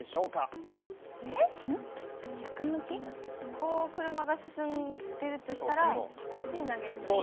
こう車が進んでるとしたらこっちに投げるって事？